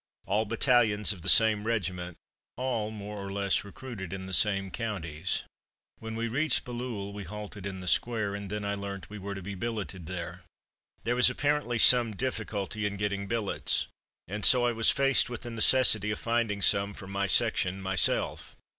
All battalions of the same regiment, all more or less recruited in the same counties. When we reached Bailleul we halted in the Square, and then I learnt we were to be billeted there. There was apparently some difficulty in getting billets, and so I was faced with the necessity of finding some for my section myself.